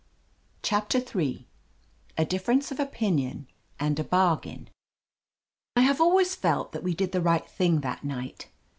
CHAPTER III A DIFFERENCE OF OPINION AND A BARGAIN I HAVE always felt that we did the right thing that night.